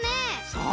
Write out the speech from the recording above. そう！